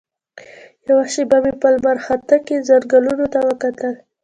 یوه شېبه مې په لمرخاته کې ځنګلونو ته وکتل.